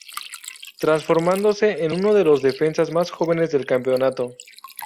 Transformándose en uno de los defensas más jóvenes del campeonato.